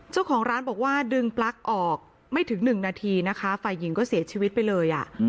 เจ้าของร้านบอกว่าดึงปลั๊กออกไม่ถึง๑นาทีนะคะฝ่ายหญิงก็เสียชีวิตไปเลย